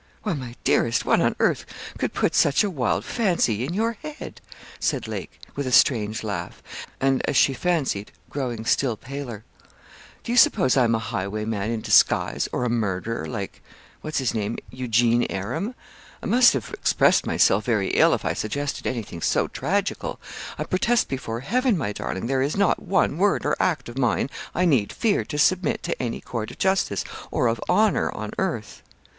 'Why, my dearest, what on earth could put such a wild fancy in your head?' said Lake, with a strange laugh, and, as she fancied, growing still paler. 'Do you suppose I am a highwayman in disguise, or a murderer, like what's his name Eugene Aram? I must have expressed myself very ill, if I suggested anything so tragical. I protest before Heaven, my darling, there is not one word or act of mine I need fear to submit to any court of justice or of honour on earth.'